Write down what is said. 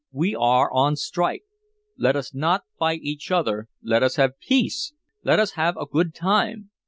We are on strike let us not fight each other let us have peace let us have a good time!